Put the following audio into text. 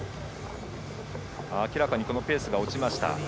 明らかにペースが落ちました。